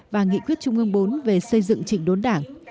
và nghị quyết trung ương bốn về xây dựng trịnh đốn đảng